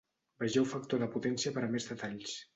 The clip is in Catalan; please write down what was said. Vegeu factor de potència per a més detalls.